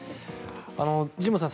神保さん